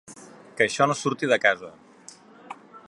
Que això no surti de casa.